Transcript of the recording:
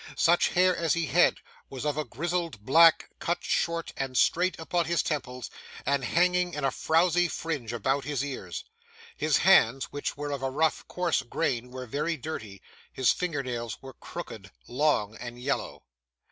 Such hair as he had was of a grizzled black, cut short and straight upon his temples, and hanging in a frowzy fringe about his ears. His hands, which were of a rough, coarse grain, were very dirty; his fingernails were crooked, long, and yellow.